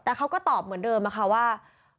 แต่เขาก็ตอบเหมือนเดิมค่ะว่า